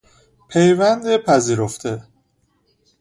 پیوند پذیرفته